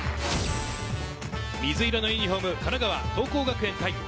水色のユニホーム、神奈川・桐光学園対